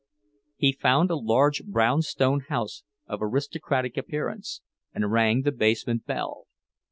He found a large brownstone house of aristocratic appearance, and rang the basement bell.